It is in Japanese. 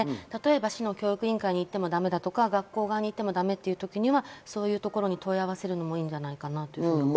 市の教育委員会に行ってもだめとか、学校側でもだめなときはそういうところに問い合わせるのもいいんじゃないかなと思います。